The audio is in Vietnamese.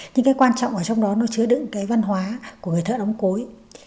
nhưng cái quan trọng ở trong đó nó chứa đựng cái văn hóa của người thợ đóng cối